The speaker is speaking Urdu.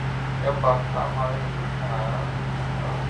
جب پاکستان معرض وجود میں آیا تھا۔